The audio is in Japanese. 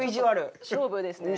勝負ですね。